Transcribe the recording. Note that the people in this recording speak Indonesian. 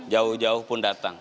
jauh jauh pun datang